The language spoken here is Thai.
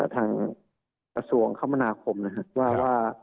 ทางประสวงคมณาคมนะครับว่า